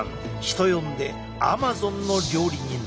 人呼んでアマゾンの料理人だ。